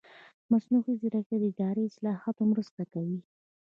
مصنوعي ځیرکتیا د اداري اصلاحاتو مرسته کوي.